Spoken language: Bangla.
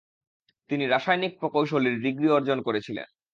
তিনি রাসায়নিক প্রকৌশলীর ডিগ্রি অর্জন করেছিলেন।